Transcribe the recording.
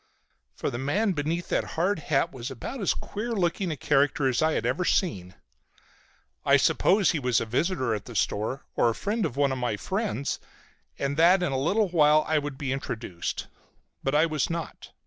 For the man beneath that hard hat was about as queer a looking character as I have ever seen. I supposed he was a visitor at the store, or a friend of one of my friends, and that in a little while I would be introduced. But I was not.